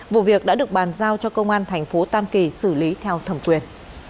vụ việc đã được bàn giao cho công an thành phố tam kỳ xử lý theo thẩm quyền